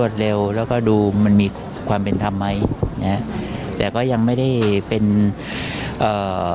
เร็วแล้วก็ดูมันมีความเป็นธรรมไหมเนี้ยแต่ก็ยังไม่ได้เป็นเอ่อ